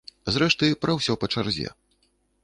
Зрэшты, пра ўсё па чарзе.